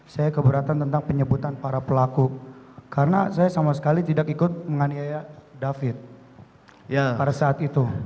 saya keberatan tentang penyebutan para pelaku karena saya sama sekali tidak ikut menganiaya david pada saat itu